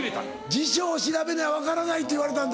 「辞書を調べにゃ分からない」と言われたんだ。